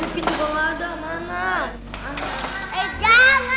di situ gak ada mana